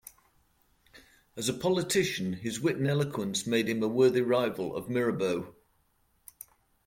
As a politician, his wit and eloquence made him a worthy rival of Mirabeau.